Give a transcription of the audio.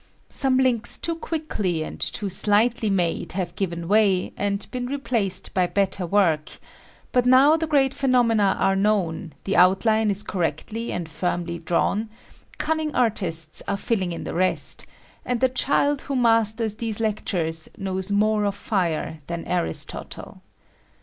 Some links too quickly * and too slightly made have given way, and been replaced by better work; but now the great phenomena are known, the outline is cor rectly and firmly drawn, cunning artists are I filling in the rest, and the child who masters I these Lectures knows more of firo than Aris I totle.